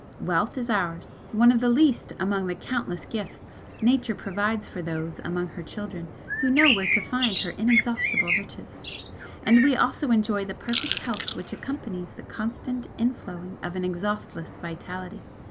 Wealth is ours one of the least among the countless gifts Nature provides for those among her children who know where to find her inexhaustible riches and we also enjoy the perfect health which accompanies the constant inflowing of an exhaustless vitality.